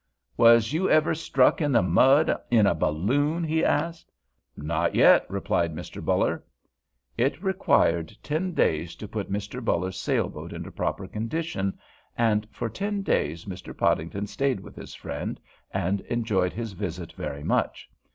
"Was you ever struck in the mud in a balloon?" he asked. "Not yet," replied Mr. Buller. It required ten days to put Mr. Buller's sailboat into proper condition, and for ten days Mr. Podington stayed with his friend, and enjoyed his visit very much.